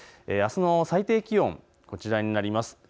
あすの最低気温はこちらになります。